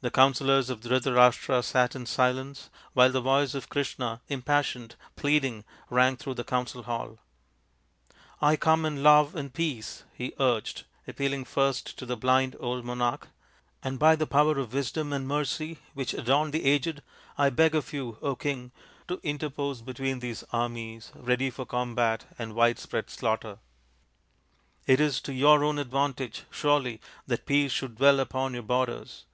The counsellors of Dhrita rashtra sat in silence, while the voice of Krishna, impassioned, pleading, rang through the council hall. " I come in love and peace," he urged, appealing first to the blind old monarch, " and by the power of wisdom and mercy THE FIVE TALL SONS OF PANDU 101 which adorn the aged, I beg of you, King, to inter pose between these armies ready for combat and widespread slaughter. It is to your own advantage, surely, that peace should dwell upon your borders.